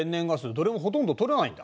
どれもほとんど採れないんだ。